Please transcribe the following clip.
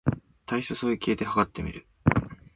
体組成計で計ってみる